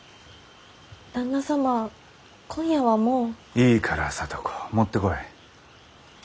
いいから聡子持ってこい。